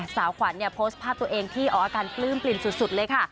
สาวขวัญเนี่ยโพสต์ภาพตัวเองที่ออกอาการปลื้มปลิ่มสุดเลยค่ะ